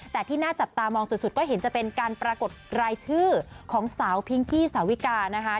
แต่ที่น่าจับตามองสุดก็เห็นจะเป็นการปรากฏรายชื่อของสาวพิงกี้สาวิกานะคะ